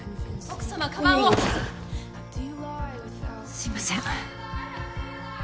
すいません。